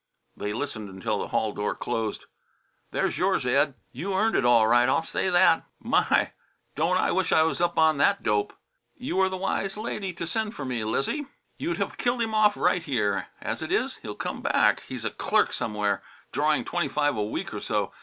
They listened until the hall door closed. "There's yours, Ed. You earned it all right, I'll say that. My! don't I wish I was up on that dope." "You were the wise lady to send for me, Lizzie. You'd have killed him off right here. As it is, he'll come back. He's a clerk somewhere, drawing twenty five a week or so.